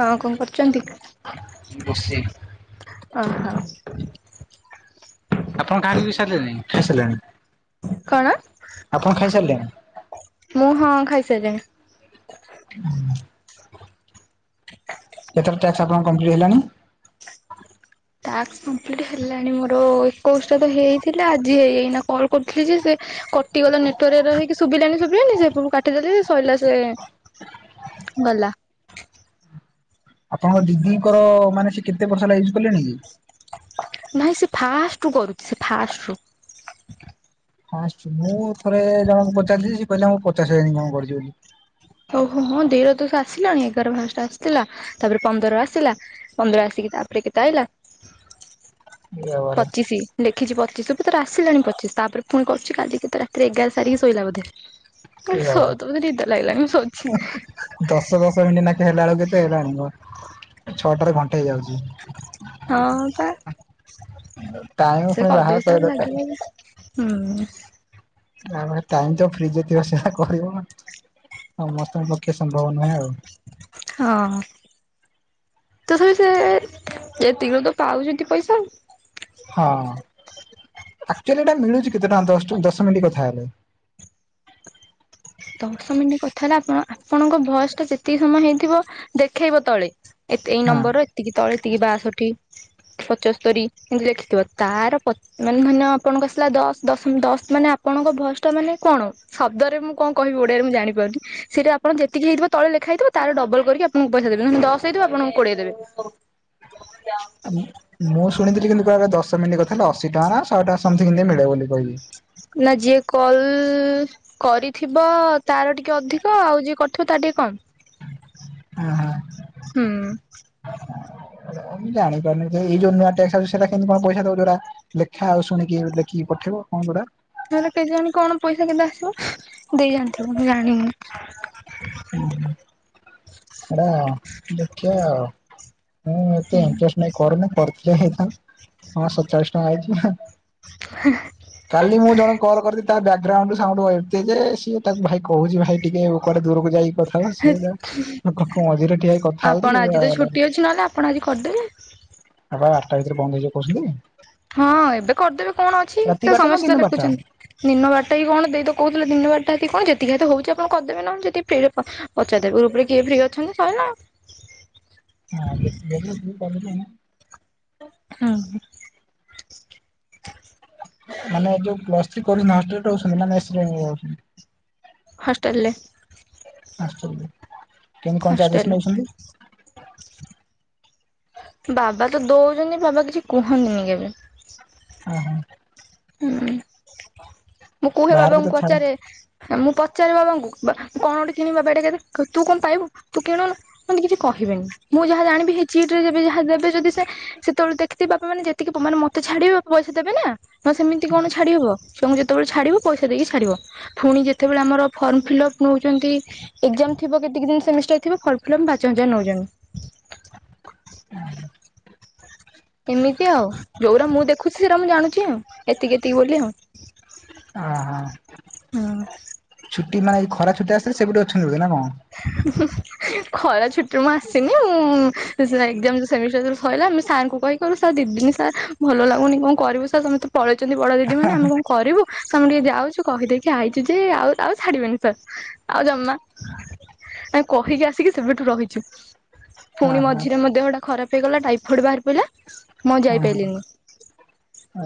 ହଁ, କଣ କରୁଛନ୍ତି? ବସିଚି। ଓହୋ। ଆପଣ କାହାକୁ ବି ସାରିଲେଣି, ଫେସହେଲେଣି। କଣ, ଖାଇସାରିଲେଣି ମୁଁ ହଁ ଖାଇସାରିଲିଣି। କେତଟା ଟାସ୍କ ଆପଣଙ୍କର କମ୍ପ୍ଲିଟ ହେଲାଣି? ଟାସ୍କ କମ୍ପ୍ଲିଟ୍ ହେଲାଣି ମୋର ଏକୋଇଶଟା ତ ହେଇଥିଲା। ଆଜି ହେଇ ଏଇନା କଲ୍ କରିୁଥିଲି ଯେ ସେ କଟିଗଲା ନେଟଓର୍କ ରେ ରହିକି ଶୁଭିଲାନି, ଶୁଭିଲାଣିନି ସେପଟୁ କାଟିଦେଲି ଯେ, ସରିଲା ସେ ଗଲା। ଆପଣଙ୍କ ଦିଦିଙ୍କର ମାନେ ସେ କେତେ ବର୍ଷ ହେଲା ୟୁଜ୍ କଲେଣି କି ନାଇଁ ସେ ଫାଷ୍ଟ ରୁ କରୁଛି ସେ ଫାଷ୍ଟ ରୁ ଆଁ ଆସଛି ମୁଁ ଥରେ ଜଣଙ୍କୁ ପଚାରିଥିଲି ସେ କହିଲା ମୁଁ ପଚାଶ ହଜାର ଇନକମ କରିଛି ବୋଲି ଓହୋ ହଁ ଦେଇର ତ ସେ ଆସିଲାଣି ଏଗାର ଫାଷ୍ଟେ ଆସିଥିଲା। ତାପରେ ପନ୍ଦର ଆସିଲା। ପନ୍ଦର ଆସିକି ତାପରେ, କେତେ ଅଇଲା? ଏ ବାବାରେ ପଚିଶି। ଲେଖିଛି ପଚିଶି ତ ଭିତରେ ଆସିଲାଣି ପଚିଶି। ତାପରେ, ପୁଣି କହୁଛି କାଲିିକିତ ରାତିରେ ଏଗାର ସାରିକି ଶୋଇଲା ବୋଧେ। ଏ ବାବାରେ [inaudible] ନିିଦ ଲାଗିଲାଣି ମୁଁ ଶୋଉଚି। ଦଶ, ଦଶ ମିନିଟ୍ ନାଖେ ହେଲାବେଳକୁ କେତେ ହେଲାଣି କହୁନୁ? ଛଅଟାରେ ଘଣ୍ଟେ ହେଇଯାଉଛି। ହଁ ବା ଟାଇମ ସେ ପୁଣି ବାହାର କରିବା ଦରକାର [inaudible] ହୁଁ। ଯା ପାଖରେ ଟାଇମତ ଫ୍ରିିଥିବ ସେତ କରିବ, ସମସ୍ତଙ୍କ ପକ୍ଷେଇ ସମ୍ଭବ ନୁହେଁ ଆଉ। ହଁ। ତଥପି, ସେ ଏତିକିରୁ ତ ପାଉଛନ୍ତି ପଇସା। ହଁ, ଆକଚୁଆଲି ଏଇଟା ମିଳୁଛି କେତେ ଟଙ୍କା ଦାଶ, ଦଶ ମିନିଟ୍ କଥା ହେଲେ? ଦଶ ମିନିଟ୍ କଥା ହେଲେ, ଆପଣ ଆପଣଙ୍କ ଭଏସଟା ଯେତିକି ସମୟ ହେଇଥିବ ଦେଖେଇବ ତଳେ। ଏ ଏଇ ହଁ। ନମ୍ବରର ଏତିକି ତଳେ ଏତିକି ବାଷଠି, ପଞ୍ଚସ୍ତରୀ ଏମିତି ଲେଖିଥିବ, ତାର ମାନେ ଧରିନିଅ ଆପଣଙ୍କ ଆସିଲା ଦଶ, ଦଶ, ଦଶ ମାନେ ଆପଣଙ୍କ ଭଏସଟା ମାନେ କଣ? ଶବ୍ଦରେ ମୁଁ କଣ କହିବୁ ଓଡ଼ିଆରେ ମୁଁ ଜଣିପାରୁନି ସେଇଠି ଆପଣଙ୍କର ଯେତିକି ହେଇଥିବ ତଳେ ଲେଖାହେଇଥିବ ତାର ଡବଲ କରିକି ଆପଣଙ୍କୁ ପଇସା ଦେବେ ନହେଲେ ଦଶ ହେଇଥିବ ଆପଣଙ୍କୁ କୋଡିଏ ଦେବେ। ମୁଁ ଶୁଣିଥିଲି କିନ୍ତୁ କୁଆଡେ ଦଶ ମିନଟି କଥାହେଲେ ଅଶି ଟଙ୍କା ନା ଶହେ ଟଙ୍କା ସମଥିଙ୍ଗ୍ ଏମିତି ମିଳେ ବୋଲି କହିଲି। ନାଁ ଯିଏ କଲ୍ କରିଥିବ ତାର ଟିକେ ଅଧିକ ଆଉ ଯିଏ କରିଥିବ ତାର ଟିକେ କମ। ଅହଁ। ହୁଁ। ମୁଁ ଜଣିପାରୁନି ତଥାପି ଏଇ ଯୋଉ ନୂଆ ଟାସ୍କ ଅସୁଚି ସେରା କେମିତି କଣ ପଇସା ଦବ ଯୋରା ଲେଖା ଆଉ ଶୁଣିକି ଲେଖିକି ପଠେଇବ କଣଗୁଡା। ତାହେଲେ କେଜାଣି କଣ ପଇସା କେତେ ଆସିବ ଦେଇ ଜାଣିଥିବ ମୁଁ ଜାଣିନି। ଉଁହୁଁ ହେଟା ଦେଖିଆ ଆଉ। ମୁଁ ଏତେ ଇଣ୍ଟ୍ରେଷ୍ଟ ନାଇଁ, କରୁନି କରିଥିଲେ ହେଇଥାନ୍ ହଁ ସର୍ଚାଳିଶ ଟଙ୍କା ଆଇଥିନା। ହାଁ ହ କାଲି ମୁଁ ଜଣକୁ କଲ୍ କରିିଥିଲି ତା ବ୍ୟାଗ୍ରାଉଣ୍ଡ ସାଉଣ୍ଡ କଣ ଏତେ ଯେ ସିଏ ତାକୁ ଭାଇ କୋହୁଚି ଭାଇ ଟିକେ କୁଆଡେ ଦୂରକୁ ଯାଇ କଥା ହେଲା ସିଏ ଯା ଲୋକଙ୍କ ମଝିରେ ଠିଆ ହେଇକି କଥା ଆପଣ ହୋଉଚି ଏ ଆଜି ତ ପାଗଳ କରଦବ ଛୁଟି ମତେ। ଅଛି ନହେଲେ ଆପଣ ଆଜି କରିଦେବେ ଏପା ବାରଟା ଭିତରେ ବନ୍ଦ ହେଇଯିବ କୋହୁଛନ୍ତି? ହଁ ଏବେ କରିଦେବେ କଣ ଅଛି ରାତି ତ ସେ ବାରଟା ନା ସମସ୍ତେ ଦିନ ତ ବାରଟା? ଲେଖୁଚନ୍ତି। ଦିନ ବାରଟା କି କଣ ଦେଇ ତ କୋହୁଥିଲା ଦିନ ବାରଟା କି କଣ ଯେତିକି ହେତ ହୋଉଚି ଆପଣ କରିଦେବେ ନହେଲେ ଯେଦି ଫ୍ରିରେ ପ ପଚାରିଦେବେ ଗ୍ରୁପରେ କିଏ ଫ୍ରି ଅଛନ୍ତି ସଇଲା। ହଁ ବେ [unintelligible] କଲେ କଣ ହଁ। ମାନେ ଯୋଉ ପ୍ଲସ୍ ଥ୍ରି କରିନାହାନ୍ତି ଟାକୁ ସେମିନା ମେସରେ ରହୁ ହଷ୍ଟେଲରେ। ହଷ୍ଟେଲରେ କେମତି କଣ ଚାର୍ଜେସ୍ ହଷ୍ଟେଲ ନୋଉଛନ୍ତି? ବାବା ତ ଦୋଉଚନ୍ତି ବାବା କିଛି କୁହନ୍ତିନି କେବେ। ଅହ। ହୁଁ। ମୁଁ କୁହେ ବାହାରକୁ ତ ବାବାଙ୍କୁ ଛାଡ ପଚାରେ ମୁଁ ପଚାରେ ବାବାଙ୍କୁ ବା କଣ ଗୋଟେ କିଣିବି ବାବା ଏଇଟା କେତେ କ ତୁ କଣ ପାଇବୁ ତୁ କିଣୁନୁ। ମତେ କିଛି କହିବେନି ମୁଁ ଯାହା ଜାଣିବି ହେଇ ଚିଟରେ ଯେବେ ଯାହା ଦେବେ ଯଦି ସେ ସେତେବେଳେ ଦେଖିଥିବେ ବାପାମାନେ ଯେତିକି ପ ମାନେ ମତେ ଛାଡିବେ ବାପା ପଇସା ଦେବେନା। ନହେ ସେମିତି କଣ ଛାଡି ହବ ଛୁଆଙ୍କୁ ଯେତେବେଳେ ଛାଡିବ ପଇସା ଦେଇକି ଛାଡିବ। ପୁଣି ଯେତେବେଳେ ଆମର ଫର୍ମ ଫିଲପ୍ ନୋଉଚନ୍ତି ଏଗଜାମ ଥିବ କେତିକି ଦିନ ସେମିଷ୍ଟାର ଥିବ ଫର୍ମ୍ ଫିଲପ୍ ପାଞ୍ଚ ହଜାର ନୋଉଚନ୍ତି। ହ। ଏମିତି ଆଉ ଯୋଉରା ମୁଁ ଦେଖୁଛି ସେରା ମୁଁ ଜାଣୁଚି ଆଉ ଏତିକି ଏତିକି ବୋଲି ଆଉ। ଅହଁ ହଁ ଛୁଟି ମାନେ ଏଇ ଯୋଉ ଖରାଛୁଟିରେ ଆସିଥିଲେ ସେବେଠୁ ଅଛନ୍ତି ବୋଧ ନା କଣ? ଖରା ଛୁଟିରୁ ମୁଁ ଆସିନି ମୁଁ ସେରା ଏଗଜାମ୍ ସେମିଷ୍ଟାର ସଇଲା ଆମେ ସାରଙ୍କୁ କହିକି କହିବୁ ସାର୍ ଦିଦିନି ସାର୍ ଭଲ ଲାଗୁନି କଣ କରିବୁ ସାର୍ ସମସ୍ତେ ପଳେଇଚନ୍ତି ବଡ ଦିଦିମାନେ ଆମେ କଣ କରିବୁ ତ ଆମେ ଟିକେ ଯାଉଚୁ କହିଦେଇକି ଆଇଚୁ ଯେ ଆଉ ଆଉ ଛାଡ଼ିବେନି ସାର୍। ଆଉ ଜମା ଆମେ କହିକି ଆସିକି ସେବେଠୁ ରହିଚୁ। ହଁ ଫୁଣି ହଁ ମଝିରେ ମୋ ଦେହଟା ଖରାପ ହେଇଗଲା ଟାଇଫଏଡ୍ ବାହାରି ପଡ଼ିଲା। ମୁଁ ଆଉ ଯାଇପାଇଲିନି।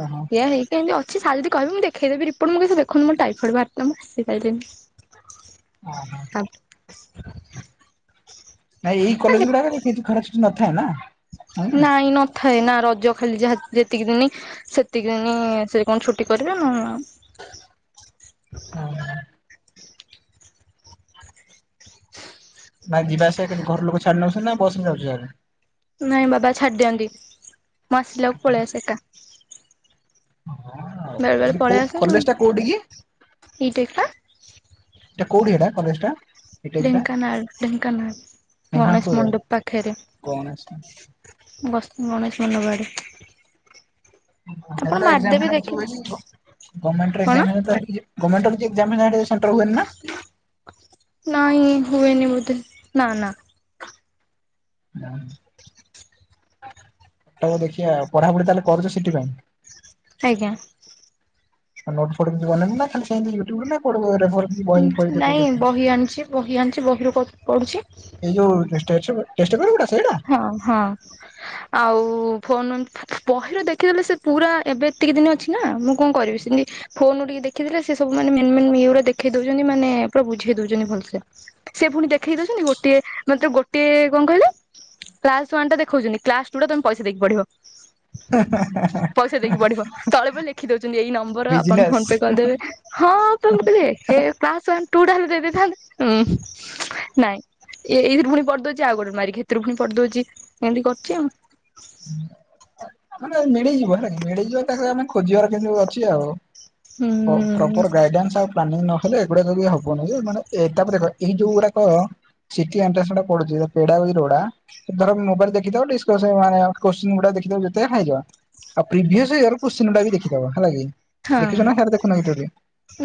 ଓହଁ ଏଇଆ ହେଇକି ଏମତି ଅଛି ସାର ଯଦି କିହିବେ ମୁଁ ଦେଖେଇଦେବି ରିପୋର୍ଟ ମୁଁ କହିବି ସେ ଦେଖନ୍ତୁ ମୋ ଟାଇଫଏଡ୍ ଭାରଥିଲା ମୁଁ ଆସିପାଇଲିନି। ଓ ହୋ। ନାଇଁ ଏଇ କଲେଜ ଗୁଡାକରେ କିଛି ଖରା ଛୁଟି ନଥାଏ ନା। ହଁ ନାଇଁ ନଥାଏ ନା ରଜ ଖାଲି ଯାହା ଯେତିକି ଦିନ। ସେତିକିିନ ସେ କଣ ଛୁଟି କରିବ ନା। ନା ଯିବା ଆସିବା କି ଘର ଲୋକ ଛାଡି ନେଛନ୍ତି ନା ବସ ଯାଉଛ ଆ। ନାଇଁ ବାବା ଛାଡି ଦିଅନ୍ତି ମୁଁ ଆସିଲାକୁ ପଳେଇବା ସେ ଏକା। ହଁ ବାର ବଳେ ଏଠି ପରେଳେ କୋଉ କଲେଜ ଟା କୋଉଠି କି ଆସେ ଇଟେଖା। ଏଇଟ କଉଡିଆଟା କଲେଜ ଟା। ବିଟେକ୍ ଟା ଢେଙ୍କାନାଳ ଢେଙ୍କାନାଳ ଢେଙ୍କାନାଳ ଗଣେଶ କୋଉ ଜାଗା? ମଣ୍ଡପ ପାଖେରେ। କଣ ସେ ବସ୍ତ ଗଣେଶ ମୁଣ୍ଡବାଡ଼ିୀ। ଲେ ବା ଦେଖିବେ କଣ ଗଭଣ୍ମେଣ୍ରକ୍ାମ ସେଣ୍ର ହୁଏ ନା। ନାଇ ହୁଏନି ବୋଧେ ନା ନା। ହଁ। ପଟକ ଦେଖିବା ପଢାପଢି ତାହେଲେ କରୁଛ ସେଥିପାଇ। ଆଜ୍ଞା। ଆୋଟ କି ବନେଇବି ନା ଖା ସେ। ିୟଛି। ବହି ଆଣିଛି ବହିରୁ ପଢ଼ୁଛି। ଏଇ ଯୋଉ ସେ। ହଁ ହଁ ଆଉ ପହର ଦେଖିଦେଲେ ସେ ପୁରା ଏବେ ଏତିକି ଦିନ ଅଛି ନା ମୁଁ କଣ କରିବି ସେମିତି ଫୋନରୁୁ ଟିକେ ଦେଖିଥିଲେ ସେ ସବୁ ମାନ ମେଇ ପୁରା ଦେଖେଇ ଦଉଛନ୍ତି ମାନେ ପୁରା ବୁଝେଇ ଦଉଛନ୍ତି ଭଲସେ ସେ ପୁଣି ଦେଖେଇ ଦଉଛନ୍ତି ଗୋଟିଏ ମ ଗୋଟଏ କଣ କହିଲା କ୍ଲାସ ୱା ଟା ଦେଉୁି କ୍ଲାସ ଟୁ ଟରେ ତମେ ପଇସ ଦେଇକି ପଡିବ ପଇସା ଦେଇକି ପଢିବ ତଳେ ପ ଲେଖି ଦଉଛନ୍ତି ଏଇ ନମ୍ବର ଆପଣ ବିଜନେସ୍। ଫୋନ ପେ କରିଦେବେ ହଁଥାେ ନାଇଁ ଏ ଏଇଥିରୁ ପୁଣି ପଡିଦଉଛି ଆଉୋେ ମାରିକିଷଥିରୁ ପୁଣି ପଡିଦଉଛି ଏମିତି କରିଛି ଆଉ ମାନେ ମିଳିଯିବ ହେଲା କି ମିଳିଯିବ ତାକୁ ଆମେ ଖୋଜିବାର କେମତି ଅଛି ଆଉ ହୁଁ ପ୍ରପର ଗାଇଡସ ଆଉ ପ୍ାନିଂ ନ ହେଲେ ଏଗୁଡାକ ବି ହବନି ଯେ ମାନେ ଏ ତାପରେ ଦେଖ ଏଇ ଯୋଉ ଗୁଡାକ ଏଣ୍ା ପଡୁଛିୋ ମୋବାଇଲ ଦେଖି କୋ ଗା ଦେେଇଯ ଆଉ ପ୍ରି କ ଗା ଦେବ ହେଲା କି ହଁ। ଦେଖିଛୁ ନା ସାର ଦେଖୁନ କି ଜୋରି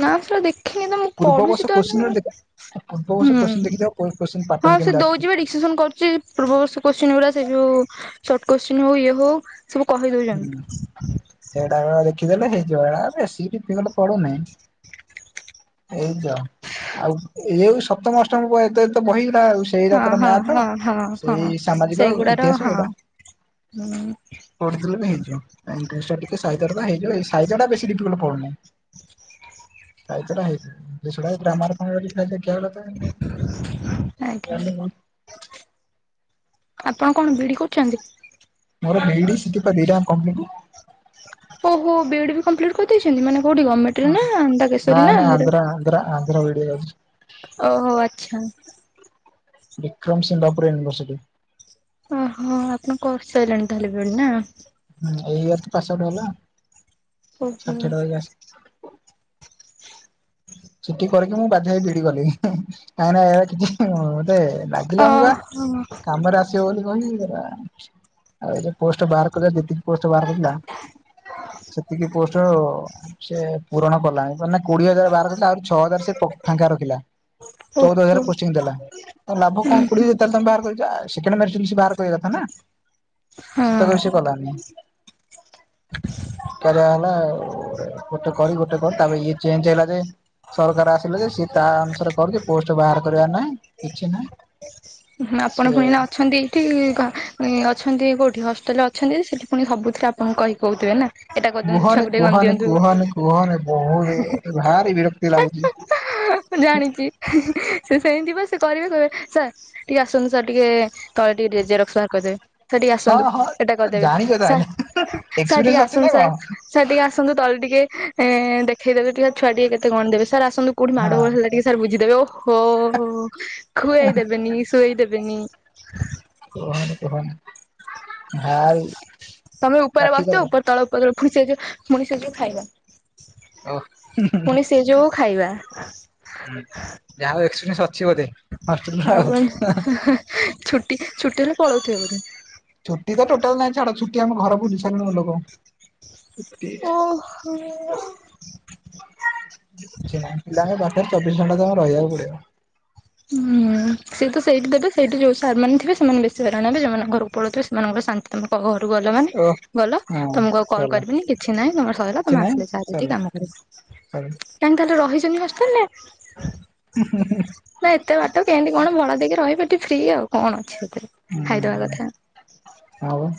ନା ପା ଦେଖିନି ତ ମୁଁ ପଢୁଛି ତ ଏବେ ମୁ ପୂର୍ବର୍ଷ କ ଦେଖି କ ହଁ ପାଟନ ସେ କେମିତି ଆସୁଛି ଦଉଛି ବା ଡିସିସନ କରୁଛି ପୂର୍ବର୍ଷ କୋଶ୍ଚି ଗା ସେ ଯଉ ସର୍ଟ କୋଶ୍ଚିନ୍ ହଉ ଇଏ ହଉ ସବୁ ହୁଁ କହିଦଉଛନ୍ତି ସେଇଟା ବେଳେ ଦେଖିଦଲେ ହେଇଯିବ ଏ ବିକିଲେ ପଡୁନାହିଁ ଏଇଯ ଆଉ ଏଇଉ ସତ ବର୍ଷ ଏତେ ତ ବହିଗଲା ଆଉ ସେଇଟା ହଁ ତର ହଁ ମ୍ୟାଥ ହଁ ହଁ ସେଇ ସାମାଜିକ ଇତିହାସ ଏଇଟା ମାନେ ପଢଥିଲେ ବି ହେଇଯଇ ଟା ବ ପୁହିଁ କାଇ ତ ନାହି ଦା ରାାମାର୍ପଣ ଫାଇଦ ଘଲା ତ ଆଜ୍ଞା ଆପଣ କଣ ବିଡ଼ି କରୁଛନ୍ତି ମୋର ମେଡିଥିପ ଦିରା କମ୍ପ ଓହୋ ବି ଏଡ ବି କମ୍ପ୍ଲିଟ କରିଦେଇଛନ୍ତି ମାନେ କୋଉଠି ଗଭର୍ଣ୍ଣମେଣ୍ଟରେେଶ୍ୱରୀ ନା ଆ ଆନ୍ଧ୍ର ଭଡ଼ିଆ ଓହୋ ଆଚ୍ଛା ବିକ୍ରମ ସିଙ୍ଗାପୁର ୟୁନଭର୍ସିଟି। ଓହୋ ଆପଣଙ୍କ କୋର୍ସ ସରିଲାଣି ତାହେଲେ ବେଳେ ନା। ଏଇ ଇୟର ତ ପାସ ଆଉଟ୍ ହେଲା। ଉଁ ଷାଠିଏ ହୁଁ। ଟଙ୍କା ସେଠି କରିକି ମୁଁ ବାଧ୍ୟ ହେଇ ବିଇଡି କଲି କାହିଁକି ଏ କିଛି ହଁ ମୋତେ ଲାଗିଲାନି ବା ଓହୋ କାମରେ ଆ ଆ ବୋଲି କହିକି ଗଲା ଆଉ ପୋଷ୍ଟ ବାହାର ଯେତିକି ପୋଷ୍ଟ ବାହାରକରିଥିଲା। ସେତିକି ପୋଷ୍ଟ ସେ ପୂରଣ କଲାଣି ମାନେ କୋଡିଏ ହଜାର ବାରଶ ତା ଛଅ ହଜାର ସେ ପ ଫାଙ୍କା ରଖିଲା ଚଉଦ ହଜାର ଓହୋ ପୋଷ୍ଟିଂ ଦେଲା ତ ଲାଭ କଣ କୋଡି ତାହେଲେ ତମେ ବାହାର କରିବା ସେକେଣ୍ଡ ଲିଷ୍ଟ ବାହାର କରିବା କଥା ନା। ସେତକ ବି ହଁ ସେ କଲାନି ବେକରିଆ ହେଇ ଗଲା ଆଉ। ଗୋଟେ କରି ଗୋଟେ କରି ତାପରେ ଇଏ ଚେଞ୍ଜ ହେଇଲା ଯେ ସରକାର ଆସିଲ ଯେ ସେ ତା ଅନୁସାରେ କରିକି ପୋଷ୍ଟ ବାହାର କରିବା ନାହିଁ କିଛି ନାହିଁ। ସେ ଆପଣ ପୁଣି ନା ଅଛନ୍ତି। କେଉଁଠି ଅଛନ୍ତି କେଉଁଠି ହଷ୍ଟେଲ ଅଛନ୍ତି ସେଠି ପୁଣି ସବୁଥିରେ ଆପଣଙ୍କୁ କହି କହୁଥିବେ ନା। ଏଇଟା କରିଦିଅନ୍ତୁ କୁହନି ଛୁଆଙ୍କୁ ଟିକେ ଗଣି କୁହନି ଦିଅନ୍ତୁ କୁହନି କୁହନି ବହୁତ ଭାରି ବିରକ୍ତି ଲାଗୁଛି। ମୁଁ ଜାଣିଛି। ସେ ସେମିତି ବା ସେ କରିବେ କହିବେ ସାର୍ ଟିକେ ଆସନ୍ତୁ ସାର୍ ଟିକେ ତଳେ ଟିକେ ଯେ ଜେରକ୍ସ ବାହର କରିଦେବେ ତ ଟିକେ ହଁ ଆସନ୍ତୁ ହଁ ସେଟା କରିଦେବେ ଜାଣିଛ ସାର୍ ତାହେଲେ ସାର୍ ଟିକେ ଏକ୍ସପିରିଏନ୍ସ ଅଛି ନା ଆସନ୍ତୁ କଣ? ସାର୍ ସାର୍ ଟିକେ ଆସନ୍ତୁ ତଳେ ଟିକେ ଦେଖେଇଦେବେ ଟିକେ ଛୁଆ ଟିକେ କେତେ ଗଣି ଦେବେ ସାର୍ ଆସନ୍ତୁ କଉଠି ମାଡ଼ ହଁ ଗୋଳ ହେଲା ଟିକେ ସାର୍ ବୁଝିଦେବେ ଓହୋ ଖୁଆଇ ଦେବେନି ଶୁଆଇ ଦେବେନି। କୁହନି କୁହନି ଭାରି ତମେ ଉପରେ କାଠି କର ବସିଛ ଉପର ତଳେ ଉପ ତଳେ ପୁଣି ଯୋଉ ସେ ଖାଇବା। ଓ ହୁଁ ହୁଁ। ପୁଣି ସେ ଯୋଉ ଖାଇବା। ହୁଁ ଯାହା ହଉ ଏକ୍ସପିରିଏନ୍ସ ଅଛି ବୋଧେ ହଷ୍ଟେଲ ର ଆଉ ହଁ ହଁ। ପଳଉଥିବ ବୋଧେ ଆଉ। ଛୁଟି ତ ଟୋଟାଲ ନାଁ ଛାଡ ଛୁଟି ଆମ ଘର ବୁଲି ସାରିଲୁ ଲୋକ। ଛୁଟି ଓହୋ। କିଛି ନାହିଁ ପିଲା ଆମେ ପାଠରେ ଚବିଶ ଘଣ୍ଟା ତମେ ରହବାକୁ ପଡିବ। ହୁଁ ସିଏତ ସେଇଠି ଦେବେ ସେଇଠି ଯୋଉ ସାର ମାନେ ଥିବେ ସେମାନେ ବେଶୀ ହଇରାଣ ହେବେ ଯଉମାନେ ଘରକୁ ପଳଉଥିବେ ସେମାନଙ୍କର ଶାନ୍ତି। ତମେ କ ଘରୁ ଗଲ ବା। ଓ ଗଲ ହଁ ତମକୁ କଲ ସରିଲା କରିବିନି କିଛି ନାହିଁ ତମର ସରିଲ ତମେ ଆସିଲେ ଯହାକି କାମ କର। ହୁଁ [unintelligible] ରହିଛନ୍ତିି ହଷ୍ଟେଲରେ। ହୁଁ ହୁଁ ହୁଁ। ନା ଏତେ ବାଟ କେମତି କଣ ଭଳ ଦେଇକି ରହିବେ ଏଠି ଫ୍ରି ଆଉ କଣ ଅଛି ସେଥିରେ। ହୁଁ ଖାଇଦବା କଥା ଆଉ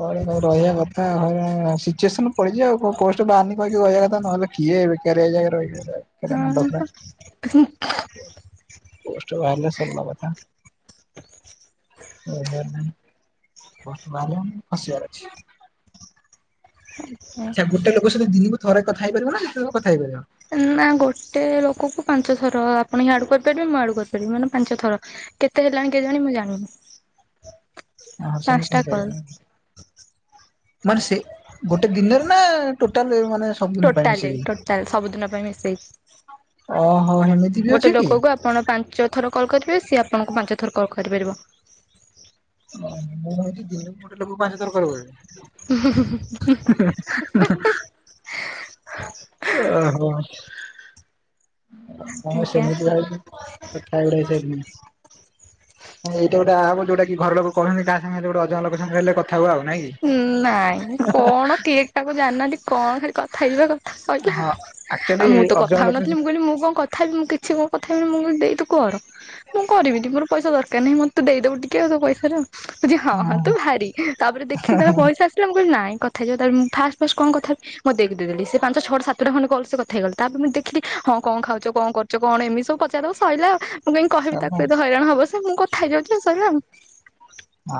କ ରହିବା କଥା ଉ ସିଚୁଏସନ ପଡିଛି ଆଉ ପୋଷ୍ଟ ବାହାରିନି କହିକି ରହିବା କଥା ନହେଲେ କିଏ ବେକାର ଜାଗାରେ ରହିବ। ମୁଣ୍ଡର ପା ପୋଷ୍ଟ ବାହାରିଲେ ସରିଲା କଥା। ପୋଷ୍ଟ ବାହାରିଲେ ଖସିଆର ଅଛି। ଆଚ୍ଛା ଆଚ୍ଛା ଗୋଟେ ଲୋକ ସହ ଦିନକୁ ଥରେ କଥା ହେଇ ପାରିବ ନା ଯେତେ କଥା ହେଇ ପାରିବ। ନା ଗୋଟେ ଲୋକକୁ ପାଞ୍ଚ ଥର ଆପଣ ହିଁ ଆଡୁ କରିପାରିବେ ମୁଁ ଆଡୁ କରିପାରିବି ମାନେ ପାଞ୍ଚ ଥର। କେତେ ହେଲାଣି କେଜାଣି ମୁଁ ଜାଣିନି। ହଁ ହ ସେମିତ ପାଞ୍ଚଟା କଲ୍। କରିବ। ମାନେ ସେ ଗୋଟେ ଦିନରେ ନା ଟୋଟାଲ ମାନେ ସବୁଦିନ ପାଇଁ ଟୋଟାଲ ମିଶେଇକି? ଟୋଟାଲ ସବୁଦିନ ପାଇଁ ମିଶେଇକି ଓହୋ ଏମିତି ବି ଅଛି ଗୋଟେ କି? ଲୋକକୁ ଆପଣ ପାଞ୍ଚ ଥର କଲ୍ କରିବେ ସିଏ ଆପଣଙ୍କୁ ପାଞ୍ଚ ଥର କଲ୍ କରିପାରିବ। ଓ ମୁଁ ହଉଛି ଦିନକୁ ଗୋଟେ ଲୋକକୁ ପାଞ୍ଚ ଥର କଲ କରିପାରିବି। ହୁଁ ହୁଁ ହୁଁ। [inaudible] ଓହୋ। ହଁ ସେ ଆଜ୍ଞା। କଥା ହେଇଗଲେ ସେ ହଁ ଏଟା ଗୋଟେ ଆପ ଯୋଉଟାକି ଘରଲୋକ କହୁଛନ୍ତି କା ସାଙ୍ଗ ଯୋଟେ ଅଜଣ ଲୋକ ସାଙ୍ଗରେ ହେଲେ କଥା ହୁଅ ଆଉ ନାଇଁ କି? ନାଇଁ କଣ କିଏ ଟାକୁ ଜାନାହାନ୍ତି କଣ ଖାଲି କଥା ହେଇଯିବା କଥା। ସଇଲା ହଁ ଆଉ ଆକ୍ଚୁଆଲି ମୁଁ ତ ଅଜଣା କଥା ଲୋକ ହଉନଥିଲି ମୁଁ କହିଲି ମୁଁ କଣ କ କଥାହେବି ମୁଁ କିଛି ମୋ କଥା ମୁଁ ଦେଇ ତୁ କର। ମୁଁ କରିବିନି ମୋର ପଇସା ଦରକାର ନାହିଁ ମତେ ତୁ ଦେଇଦବୁ ଟିକେ ତୋ ପଇସାରୁ। କହୁଚି ହଁ ହଁ ତୁ ଭାରି ତାପରେ ଦେଖିଦେଲା ପରେ ପଇସା ଆସିଲା ମୁଁ କହିଲି ନାଇଁ କଥା ହେଇଯିବା ତାହାଲେ ଫାଷ୍ଟ ଫାଷ୍ଟ କଣ କଥା ମୁଁ ଦେଇକି ଦେଇଦେଲି ସେ ପାଞ୍ଚ ଛଟ ସାତଟା ଖଣ୍ଡେ ଗଲେ ସେ କଥା ହେଇଗଲା ତାପରେ ମୁଁ ଦେଖିଲି ହଁ କଣ ଖାଉଛ କଣ କରୁ କଣ ଏମିତି ସବୁ ପଚାରିଦବ ସଇଲା ଆଉ ମୁଁ କାହିଁ କହିବି ତାକୁ ହଁ ଏତ ହଇରାଣ ହବ ସେ ମୁଁ କଥା ହେଇଯାଉଛି ସଇଲା ଆଉ। ହଁ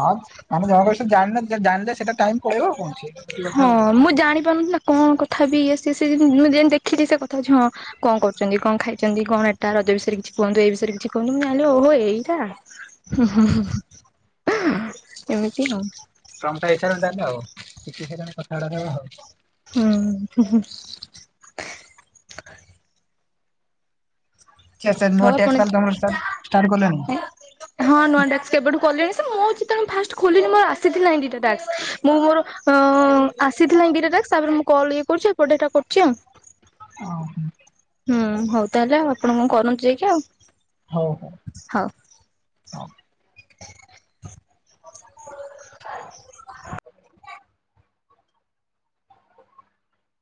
ହଁ ଆମେ ଜଣକ ବିଷୟରେ ଜାଣିନଥିଲେ ଜାଣିଲେ ସେ ସେଇଟା ଟାଇମ ପଳେଇବ ଆଉ କଣ ଅଛି ହଁ କଥା ହବ। ମୁଁ ଜାଣିପାରୁନଥିଲି ନା। କଣ କଥା ହେବି ଇଏ ସିଏ ମୁଁ ଯେମିତି ଦେଖିଲି ସେ କଥା ହଉଚି ହଁ। କଣ କରୁଛନ୍ତି କଣ ଖାଇଛନ୍ତି କଣ ଏଟା ରଜ ବିଷୟରେ କିଛି କୁହନ୍ତୁ ଏଇ ବିଷୟରେ କିଛି କୁହନ୍ତୁ ଆଲୋ ଓହୋ ଏଇଟା। ହଁ ହଁ ଏମିତି ଆଉ। ଟମଟାଇସାରଲେ ଆଉ କିଛି ସେ କଥାବାର୍ତ୍ତା ନବା ଆଉ। ହୁଁ। ମୋ ହଉ ଆପଣ ଟ୍ୟାକ୍ସ ଷ୍ଟାର୍ଟ କଲେଣି। ହଁ ନୂଆ ଟାସ୍କ କେବେଠୁ କଲିଣି ସେ ମୁଁ ହୋଉଛି ଫାଷ୍ଟ ଖୋଲିନି ମୋର ଆସିଥିଲା ଏଇ ଦିଟା ଟାସ୍କ। ମୁଁ ମୋର ଅ ଆସିଥିଲା ଦିଟା ଟାସ୍କ ତାପରେ ମୁଁ କଲ୍ ଇଏ କରୁଛି ଏପଟେ ଏଇଟା କରୁଛି ଆଉ। [inaudible] ହୁଁ ହଉ ତାହେଲେ ଆଉ ଆପଣ କଣ କରୁନ୍ତୁ ଯାଇକି ଆଉ। ହଉ ହଉ। ହଉ। [unintelligible]